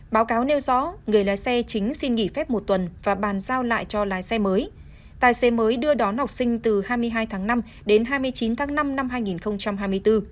báo cáo nêu rõ người lái xe chính xin nghỉ phép một tuần và bàn giao lại cho lái xe mới tài xế mới đưa đón học sinh từ hai mươi hai tháng năm đến hai mươi chín tháng năm năm hai nghìn hai mươi bốn